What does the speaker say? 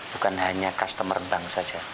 bukan hanya customer bank saja